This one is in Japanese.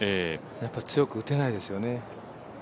やっぱり強く打てないですよね。